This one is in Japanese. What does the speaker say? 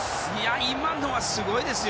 今のはすごいですよ。